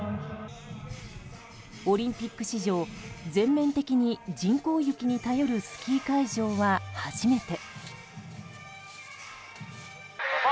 オリンピック史上、全面的に人工雪に頼るスキー会場は初めて。